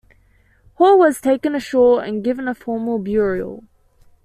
Hall was taken ashore and given a formal burial.